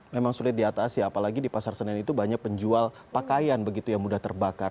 memang sulit diatasi apalagi di pasar senen itu banyak penjual pakaian begitu yang mudah terbakar